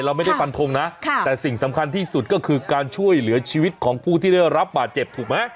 เราไม่ได้ฟันทงนะแต่สิ่งสำคัญที่สุดก็คือการช่วยเหลือชีวิตของผู้ที่ได้รับบาดเจ็บถูกไหม